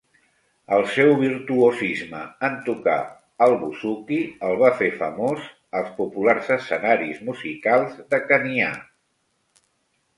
El seu virtuosisme en tocar el busuqui el va fer famós als populars escenaris musicals de Khanià.